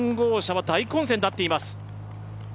３号車は大混戦になっています。